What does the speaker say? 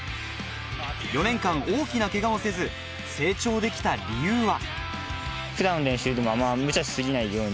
４年間、大きなけがもせず成長できた理由は。